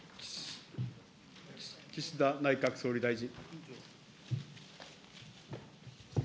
岸田内閣総理大臣。